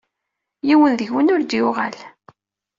Yiwen deg-wen ur d-yuɣal.